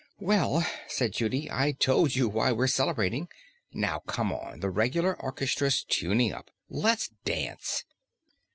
"Well," said Judy, "I've told you why we're celebrating. Now come on, the regular orchestra's tuning up. Let's dance."